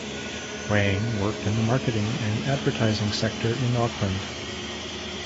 Wang worked in the marketing and advertising sector in Auckland.